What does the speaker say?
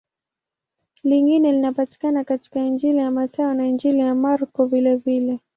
Lingine linapatikana katika Injili ya Mathayo na Injili ya Marko vilevile.